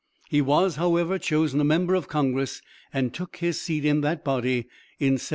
He was, however, chosen a member of congress and took his seat in that body in 1789.